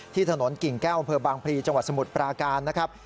ที่ถนนกิ่งแก้วบางพรีจังหวัดสมุดปราการนะครับ